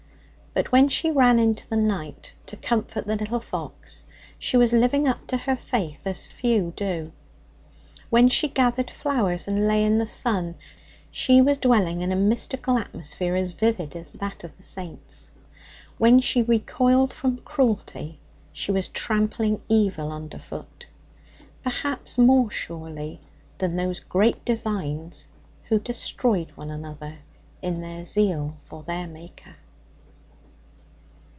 But when she ran into the night to comfort the little fox, she was living up to her faith as few do; when she gathered flowers and lay in the sun, she was dwelling in a mystical atmosphere as vivid as that of the saints; when she recoiled from cruelty, she was trampling evil underfoot, perhaps more surely than those great divines who destroyed one another in their zeal for their Maker.